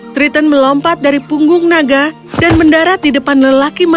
triton melompat dari punggung naga dan mendarat di depan lelaki magang